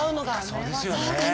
そうですよね。